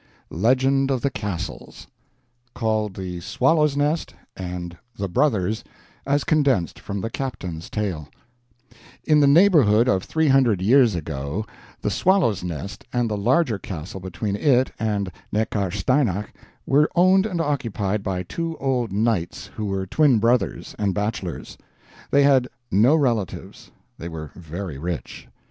Legend of the Castles Called the "Swallow's Nest" and "The Brothers," as Condensed from the Captain's Tale In the neighborhood of three hundred years ago the Swallow's Nest and the larger castle between it and Neckarsteinach were owned and occupied by two old knights who were twin brothers, and bachelors. They had no relatives. They were very rich.